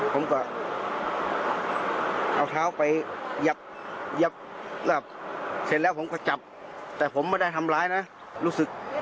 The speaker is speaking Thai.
ผมก็เอาเท้าไปยับหลับเสร็จแล้วผมก็จับแต่ผมไม่ได้ทำร้ายนะรู้สึก